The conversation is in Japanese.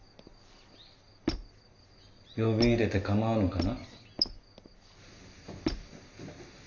呼び入れて構わぬかな？